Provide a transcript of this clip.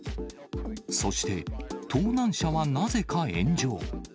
そして、盗難車はなぜか炎上。